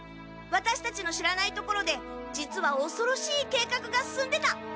ワタシたちの知らないところで実はおそろしい計画が進んでた。